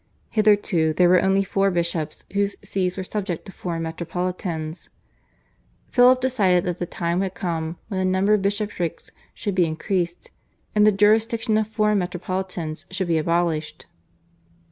Hitherto there were only four bishops, whose Sees were subject to foreign metropolitans. Philip decided that the time had come when the number of bishoprics should be increased, and the jurisdiction of foreign metropolitans should be abolished.